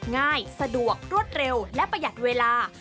ง่ายสะดวกรวดเร็วและประหยัดเวลา